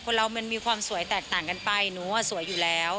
เรามันมีความสวยแตกต่างกันไปหนูสวยอยู่แล้ว